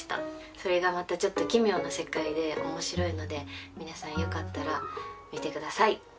それがまたちょっと奇妙な世界で面白いので皆さんよかったら見てください。